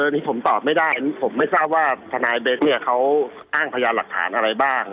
นี่ผมตอบไม่ได้ผมไม่ทราบว่าพนายเบ้นท์เนี่ยเขาอ้างพยานหลักฐานอะไรบ้าง